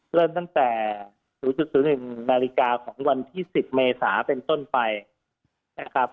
เริ่มตั้งแต่สูงจุดสูงหนึ่งนาฬิกาของวันที่สิบเมษาเป็นต้นไปนะครับ